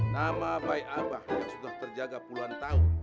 nama baik abah yang sudah terjaga puluhan tahun